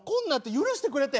許してくれって。